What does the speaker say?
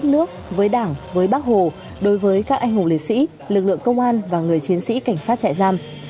nước với đảng với bác hồ đối với các anh hùng liệt sĩ lực lượng công an và người chiến sĩ cảnh sát trại giam